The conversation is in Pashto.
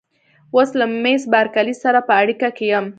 اوس له مېس بارکلي سره په اړیکه کې یم.